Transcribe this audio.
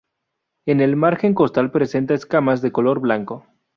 En el margen costal presenta escamas de color blanco.